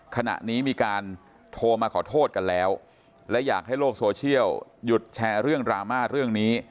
ขณะนี้มีการโทรมาขอโทษกันแล้วและอยากให้โลกโซเชียลหยุดแชร์เรื่องดราม่าเรื่องนี้